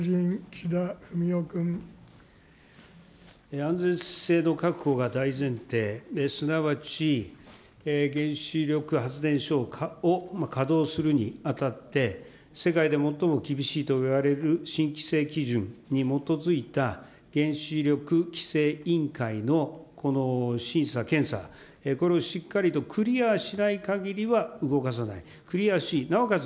安全性の確保が大前提、すなわち原子力発電所を稼働するにあたって、世界で最も厳しいといわれる新規制基準に基づいた原子力規制委員会の審査、検査、これをしっかりとクリアしないかぎりは動かさない、クリアし、なおかつ